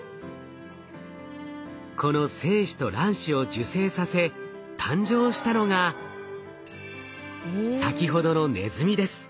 この精子と卵子を受精させ誕生したのが先ほどのネズミです。